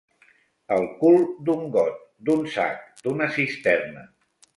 El cul d'un got, d'un sac, d'una cisterna.